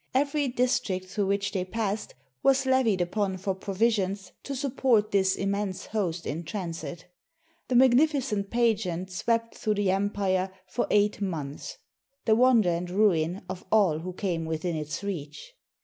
Every district through which they passed was levied upon for provi sions to support this immense host in transit. The magnificent pageant swept through the empire for eight months, the wonder and ruin of all who came within its reach.